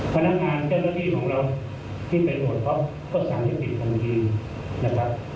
พนักงานเจ้าหน้าที่ของเราที่เป็นโหดครอบครับก็สั่งให้ปิดทางดีนะครับ